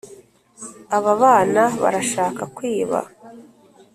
ababana barashaka kwiba